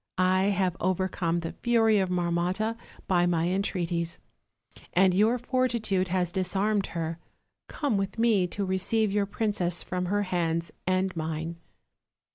I have overcome the fury of Marmotta by my entreaties, and your fortitude has disarmed her; come with me to receive your princess from her hands and mine."